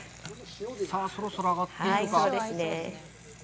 さあ、そろそろ揚がっていくか。